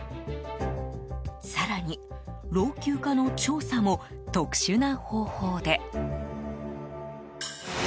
更に、老朽化の調査も特殊な方法で。